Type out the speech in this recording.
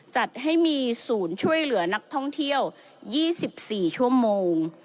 จัดให้มีศูนย์ช่วยเหลือนักท่องเที่ยว๒๔ชั่วโมง